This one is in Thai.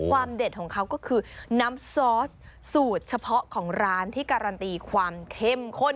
เด็ดของเขาก็คือน้ำซอสสูตรเฉพาะของร้านที่การันตีความเข้มข้น